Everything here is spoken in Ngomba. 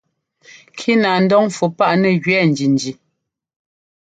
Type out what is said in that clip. Kínaandɔn fú paʼ nɛ́ jʉɛ́ njinji.